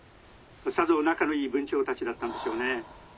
さぞ仲のいい文鳥たちだったんでしょうね。